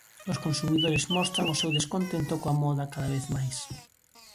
Os consumidores mostran o seu descontento coa moda cada vez máis.